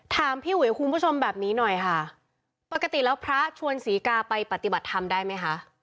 ถามพี่อุ๋ยคุณผู้ชมแบบนี้หน่อยค่ะปกติแล้วพระชวนศรีกาไปปฏิบัติธรรมได้ไหมคะ